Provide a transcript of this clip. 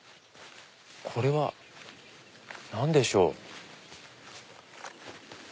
これは何でしょう？